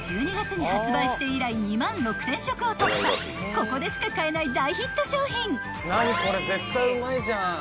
［ここでしか買えない大ヒット商品］